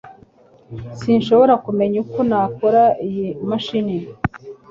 Sinshobora kumenya uko nakora iyi mashini